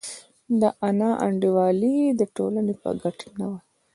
دا نا انډولي د ټولنې په ګټه نه وي.